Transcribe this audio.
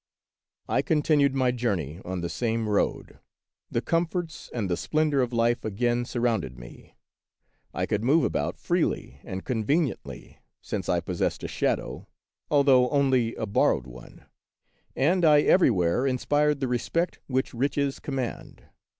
I continued my journey on the same road ; the comforts and the splendor of life again sur rounded me ; I could move about freely and con veniently, since I possessed a shadow, although only a borrowed one ; and I everywhere inspired the respect which riches command.